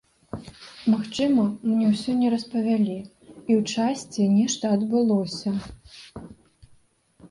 Магчыма, мне ўсё не распавялі, і ў часці нешта адбылося.